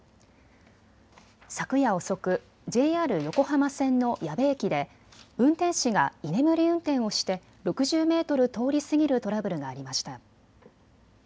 昨夜遅く、ＪＲ横浜線の矢部駅で運転士が居眠り運転をして６０メートル通り過ぎるトラブルがありました。